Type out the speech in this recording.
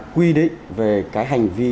quy định về cái hành vi